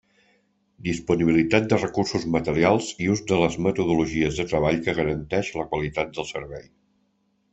Disponibilitat de recursos materials i ús de les metodologies de treball que garanteix la qualitat del servei.